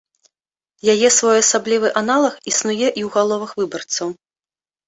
Яе своеасаблівы аналаг існуе і ў галовах выбарцаў.